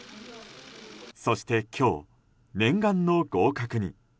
そして今日、念願の合格に。